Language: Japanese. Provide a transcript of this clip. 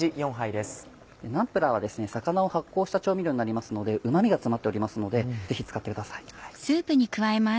ナンプラーは魚を発酵した調味料になりますのでうま味が詰まっておりますのでぜひ使ってください。